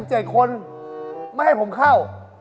ไม่ให้ผมเข้า